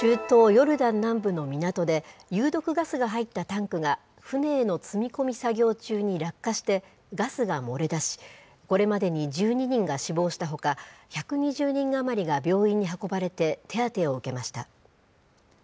ヨルダン南部の港で、有毒ガスが入ったタンクが船への積み込み作業中に落下して、ガスが漏れ出し、これまでに１２人が死亡したほか、１２０人余りが病院に運ばれて、手当てを受けました。